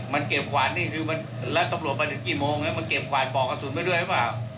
มันเก็บกวานนี่แล้วตรวจไปถึงกี่โมงมันเก็บกวานบอกกระสุนไปด้วยหรือเปล่า